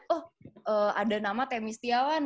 oh ada nama temis setiawan